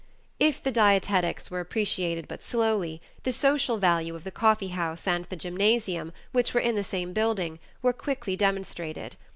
If the dietetics were appreciated but slowly, the social value of the coffee house and the gymnasium, which were in the same building, were quickly demonstrated.